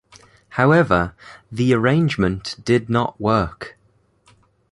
However, the arrangement did not work.